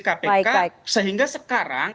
kpk sehingga sekarang